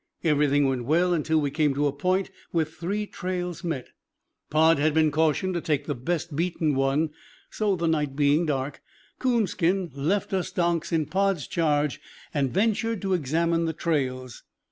Everything went well until we came to a point where three trails met. Pod had been cautioned to take the best beaten one, so, the night being dark, Coonskin left us donks in Pod's charge and ventured to examine the trails.